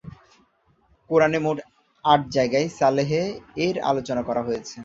কুরআনে মোট আট জায়গায় সালেহ এর আলোচনা করা হয়েছে।